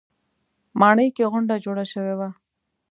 ماڼۍ کې غونډه جوړه شوې وه.